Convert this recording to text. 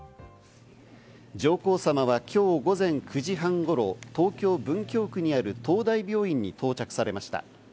上皇さまは今日午前９時半頃、東京・文京区にある東大病院に到着されました。